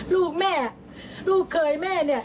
ลูกแม่ลูกเคยแม่เนี่ย